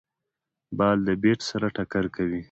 بال د بېټ سره ټکر کوي.